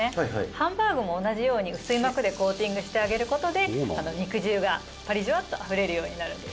ハンバーグも同じように薄い膜でコーティングしてあげる事で肉汁がパリジュワッとあふれるようになるんです」